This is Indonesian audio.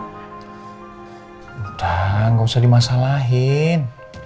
udah nggak usah dimasalahin